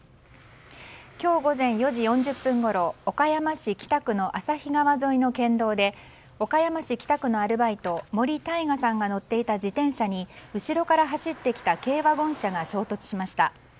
今日午前４時４０分ごろ岡山市北区の旭川沿いの県道で岡山市北区のアルバイト森大河さんが乗っていた自転車に後ろから走ってきた軽ワゴン車が衝突しました。